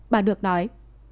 bà được nói